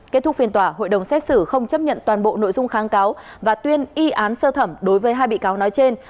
kết thúc phiên tòa hội đồng xét xử không chấp nhận toàn bộ nội dung kháng cáo và tuyên y án sơ thẩm đối với hai bị cáo nói trên